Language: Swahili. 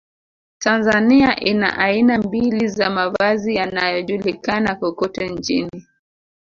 Tanzania ina aina mbili za mavazi yanayojulikana kokote nchini